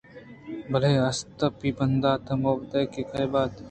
بلے اسپیتی ءِ باندات ءَ مباتے کہ بات